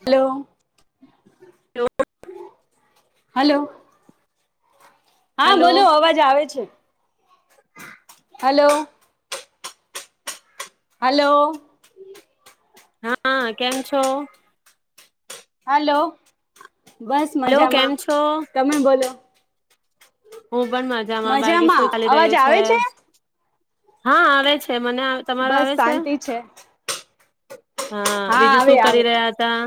Hello. Hello hello. હા hello બોલો અવાજ આવે છે. હલો. હલો. હા, કેમ છો. હલો. બસ હલો કેમ મજામાં. છો તમે બોલો. હું પણ મજામાં. બાકી શું ચાલી રહય્યું છે? હા આવે છે. છે. મને તમારો આવે બસ છે. શાંતિ હા, બીજું આવે શું આવે કરી રહ્યા હતા?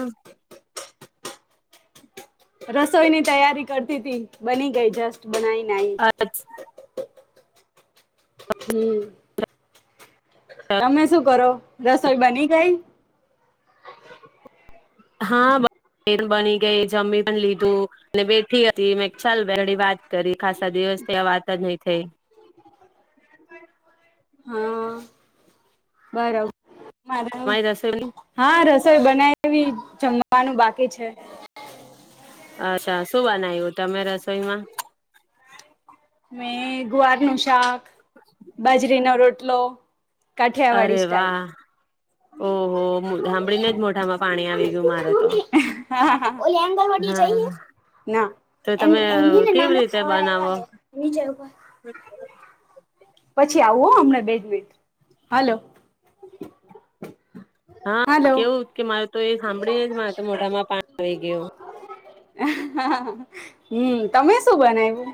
રસોઈની તૈયારી કરતી તી. બની ગઈ જસ્ટ. બનાઈને આઈ. હમ. તમે શું કરો? રસોઈ બની ગઈ? હા બે બની ગઈ જમી પણ લીધું, બેઠી હતી મેં ચાલ બેડી વાત કરી ખાસા દિવસ થી આ વાત જ નહી થઈ. બરાબર. મારે તમારી રસોઈની હા રસોઈ બનાવીમ જમ નું બાકી છે. અચ્છા શું બનાવ્યું તમે રસોઈમાં? મે ગુવારનુ શાક બાજરી ના રોટ આટલો. કઠિયા વાડી અરે સ્ટાઇલ. વાહ ઓહો સાંભળીને જ મોઢામાં પાણી આવી ગયું મારે તો હા તો તમે કેવી રીતે બનાવો એની જગર. [unintelligible] પછી આવું હમણા બેજવીટ, હલો. હા હલો કેવું કે મારે તો એ સાંભળીને જ મારે તો મોઢામાં પાણી આવી ગયો. હમ તમે શું બનાવ્યું?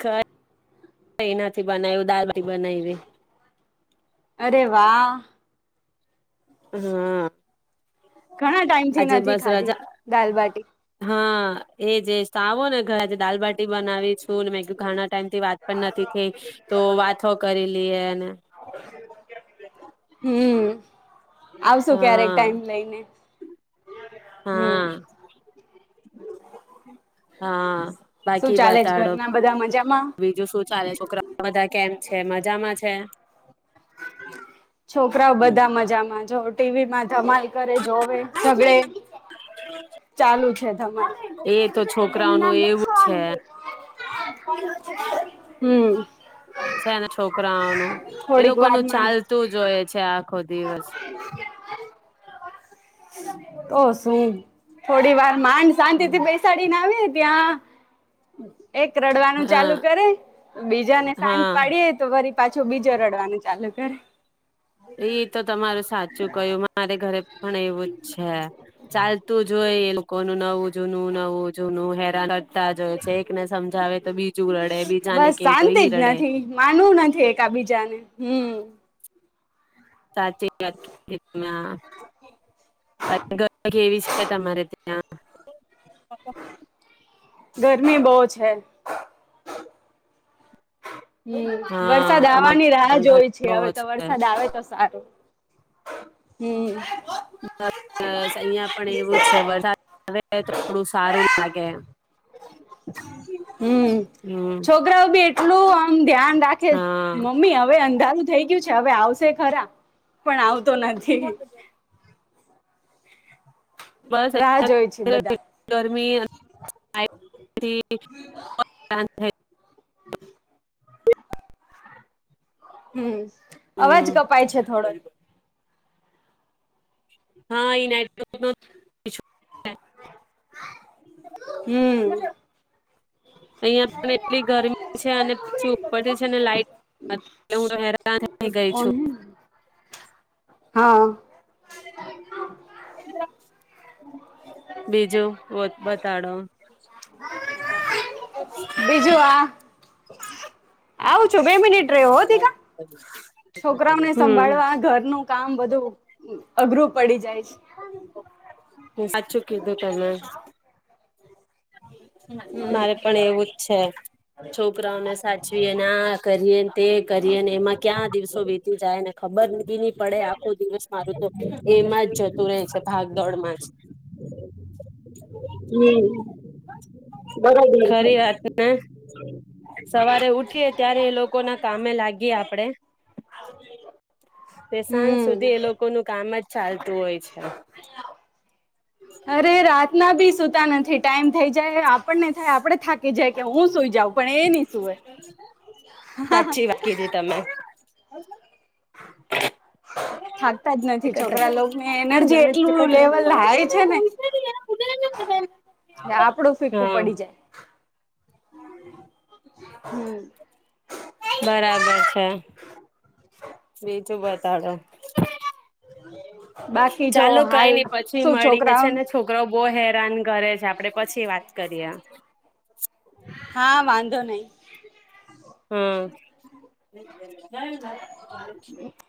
કઈ નથી. બનાું દળ ભ બનાવી. અરે વાહ હા. ઘણા ટાઈમ થી આજે નથી બસ ખાધી રજા દાલબાટી. હા એ જે સ આવો ને ઘરે. દાલબાટી બનાવી છું મે ઘણા ટાઈમ થી વાત પણ નથી થઈ તો વાતો ઓ કરી લઈએ. હમ્મ આવશુ ક્યારેક હા ટાઈમ લઈને. હમ્મ હા હા શું બાકી ચાલે છે બતાડો ઘરના બધા મજામાં બીજું શું ચાલે છોકરા બધા કેમ છે મજામાં છે. છોકરાઓ બધા મજામાં જો. ટીવી માં જમાલ કરે જોવે ઝગડે. ચાલુ. એ તો છોકરાઓનું એવું છે [unintelligible] હમ. છે ને છોકરાઓનું એ થોડીક લોકો ન વારમાં ચાલતું જ હોય છે આ. આખો દિવસ. તો સુ થોડી વાર. માંડ શાંતિથી બેસાડીને આવીએ ત્યાં એક રડવાનું ચાલુ હા કરે, બીજા ને સાંત હા પાડીએ તો વરી પાછો બીજો રડવાનું ચાલુ કરે. એ તો તમારું સાચું કયું. મારે ઘરે પણ એવું જ છે. ચાલતું જ હોય. એ લોકો ન નવુંજુનું નવુજુંનું. હેરાન જ કરતા હોય છે એકને સમજાવે તો બીજું રડે બીજાને બસ કે તો શાંતિ ઈ જ રડે નથી માનવું નથી, એકાબીજાને. હમ. સાચી વાત કીધી. ના, બાકી [unintelligible] કેવી છે તમારે ત્યાં? ગરમી બો છે. હમ, હા વરસાદ અમારે આવવાની રાહ પણ જોઈ ગરમી છે. બો હવે તો છે વરસાદ આવે તો સારું. હમ. બસ, અહિયાં પણ એવું છે વરસાદ આવે તો થોડું સારું લાગે. હમ હમ. છોકરાઓ બી એટલું આમ ધ્યાન રાખે છ. હા મમ્મી હવ હવે અંધારું થઈ ગયું છે હવે આવશે ખરા. પણ આવતો નથી. બસ રાહ જોય છે બધા ગરમી. [unintelligible] થઈ [inaudible] હમ, અવાજ હમ કપાય છે થોડોક. હા એટ. [unintelligible] હમ. અહિયાં પણ એટલી ગરમી છે અને પછી ઉપરથી છેને લાઈટ હું હ થ ગઈ કોણ છું. હે હા. બ. બીજું બતાડો. હર. [unintelligible] બીજું આ. આવું છું બે મિનિટ રહ્યો હોતી કા. હ [unintelligible] છોકરાઓને સંભાળવા ઘરનું કામ બધું અઘરું પડી જાય છે. સાચું કીધું તમે હમ મારે પણ એવું જ છે છોકરાઓને સાચવીને આ કરીએને તે કરીએ ને એમાં ક્યાં દિવસો વીતી જાયને ખબર ન પડે આખો દિવસ મારું તો એમાં જ જતું રહેે છે ભાગદોડમાં જ. બરાબર છે. ખરી વાત ને સવારે ઉઠીએ ત્યારે એ લોકો ના કામે લાગીએ આપડે. પ્ર સાંજ સુધી એ હમ લોકો નું કામ જ. ચાલતું હોય છે. અરે રાતના બી સુતા નથી ટાઈમ થઈ જાય. ને થાય આપડ થાકી જાય કે હું સુઈ જાઉં પણ એ નહી સુું હોય. સાચી વાત કીધી તમે [inaudible] થાકતા જ નથી છોકરા લો ને એનર્જી એટલું લેવલ હાય છે ને. આપડું ફીકું હા પડી જાય. હમ. બરાબર છે બીજું બતાવે. બાકી જો ચાલો કઈ હાલ નઈ પછી શું મળીએ છોકરાઓ છે ને છોકરાઓ. બહુ હેરાન ઘરે છે આપડે પછી વાત કરીએ. હા વાંધો નહી. હમ. ના. [unintelligible]